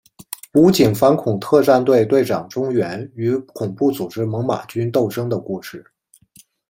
武警反恐特战队队长钟原与恐怖组织猛玛军斗争的故事。